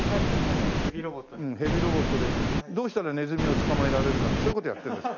うんヘビロボットでどうしたらネズミを捕まえられるかってそういう事やってるんですか？